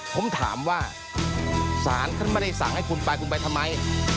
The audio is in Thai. ผมถามว่าศาลท่านไม่ได้สั่งให้คุณไปคุณไปทำไม